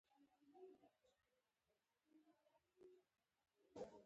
موږ په لږ و ډېر تفاوت یو ډول یو.